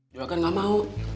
juragan gak mau